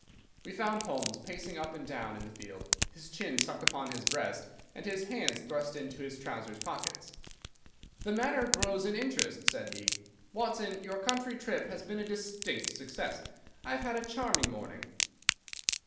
We found Holmes pacing up and down in the field, his chin sunk upon his breast, and his hands thrust into his trousers pockets. "The matter grows in interest," said he. "Watson, your country trip has been a distinct success. I have had a charming morning."